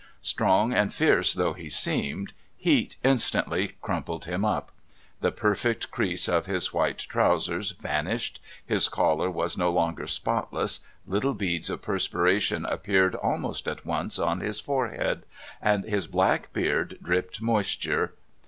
Strong and fierce though he seemed, heat instantly crumpled him up. The perfect crease of his white trousers vanished, his collar was no longer spotless, little beads of perspiration appeared almost at once on his forehead, and his black beard dripped moisture.